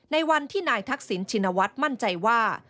ในวันที่นายทักษิณชินวัฒน์มั่นใจว่า